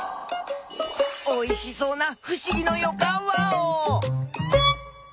おいしそうなふしぎのよかんワオ！